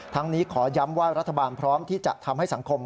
นี้ขอย้ำว่ารัฐบาลพร้อมที่จะทำให้สังคม